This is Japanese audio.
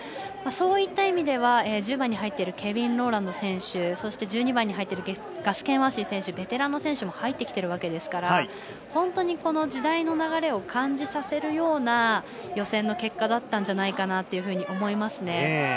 そういった意味では１０番に入っているケビン・ロラン選手そして、１２番に入っているガス・ケンワージー選手ベテランの選手も入ってきているわけですから時代の流れを感じさせるような予選の結果だったんじゃないかなというふうに思います。